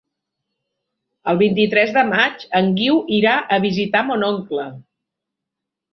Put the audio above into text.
El vint-i-tres de maig en Guiu irà a visitar mon oncle.